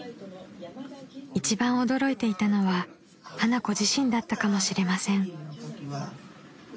［一番驚いていたのは花子自身だったかもしれません］